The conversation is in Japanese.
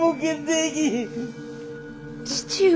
父上。